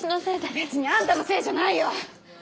別にあんたのせいじゃないよ！